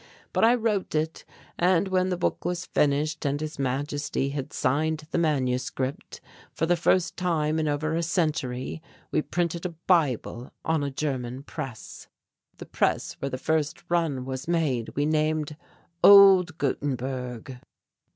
But I wrote it and when the book was finished and His Majesty had signed the manuscript, for the first time in over a century we printed a bible on a German press. The press where the first run was made we named 'Old Gutenberg.'"